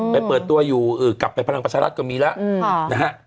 เปิดตัวอยู่กลับไปพลังประชารัฐก็มีแล้วนะฮะ